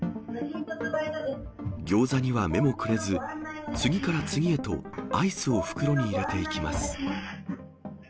ギョーザには目もくれず、次から次へとアイスを袋に入れていきます。